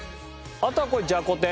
あとはこれじゃこ天。